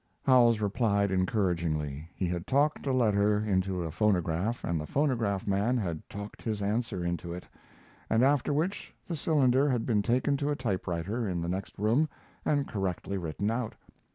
Howells replied encouragingly. He had talked a letter into a phonograph and the phonograph man had talked his answer into it, after which the cylinder had been taken to a typewriter in the next room and correctly written out.